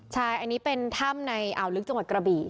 ใช่อันนี้เป็นถ้ำในอ่าวลึกจังหวัดกระบี่